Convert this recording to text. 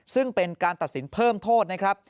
ซึ่งเป็นการตัดสินเพิ่มโทษนะครับ